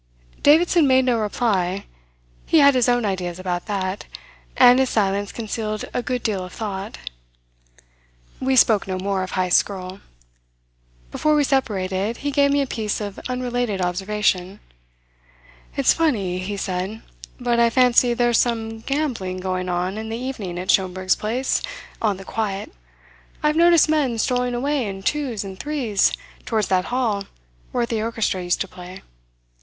Davidson made no reply. He had his own ideas about that, and his silence concealed a good deal of thought. We spoke no more of Heyst's girl. Before we separated, he gave me a piece of unrelated observation. "It's funny," he said, "but I fancy there's some gambling going on in the evening at Schomberg's place, on the quiet. I've noticed men strolling away in twos and threes towards that hall where the orchestra used to play.